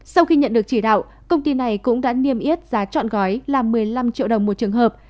sau khi nhận được chỉ đạo công ty này cũng đã niêm yết giá chọn gói là một mươi năm triệu đồng một trường hợp